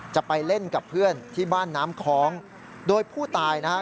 จะไปเล่นกับเพื่อนที่บ้านน้ำคล้องโดยผู้ตายนะฮะ